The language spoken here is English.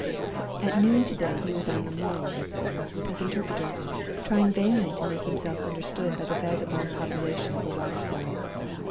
"At noon to day he was on the Mole, it seems, with his interpreter, trying vainly to make himself understood by the vagabond population of the water side.